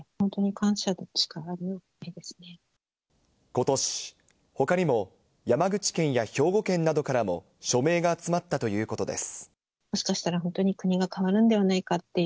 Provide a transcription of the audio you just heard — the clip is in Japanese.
ことし、他にも山口県や兵庫県などからも署名が集まったということです。